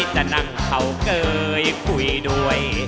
จะนั่งเขาเกยคุยด้วย